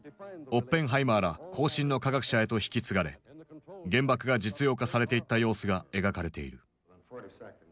オッペンハイマーら後進の科学者へと引き継がれ原爆が実用化されていった様子が描かれている。